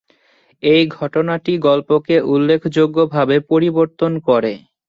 এই ঘটনাটি গল্পকে উল্লেখযোগ্যভাবে পরিবর্তন করে।